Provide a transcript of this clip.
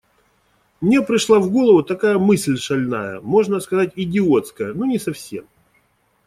Мне пришла в голову такая мысль шальная, можно сказать, идиотская, но не совсем.